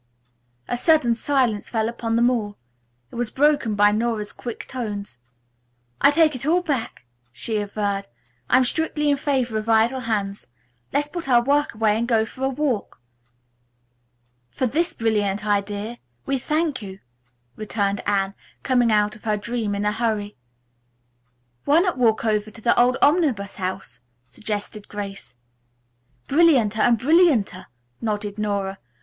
A sudden silence fell upon them all. It was broken by Nora's quick tones. "I'll take it all back," she averred. "I'm strictly in favor of idle hands. Let's put our work away and go for a walk!" "For this brilliant idea, we thank you," returned Anne, coming out of her dream in a hurry. "Why not walk over to the old Omnibus House," suggested Grace. "Brillianter and brillianter," nodded Nora.